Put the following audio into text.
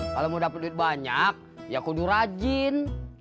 kalau mau dapat duit banyak ya kudu rajin